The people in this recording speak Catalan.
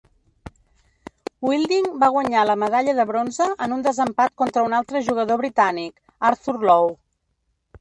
Wilding va guanyar la medalla de bronze en un desempat contra un altre jugador britànic, Arthur Lowe.